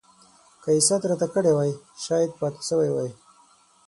که يې ست راته کړی وای شايد پاته سوی وای.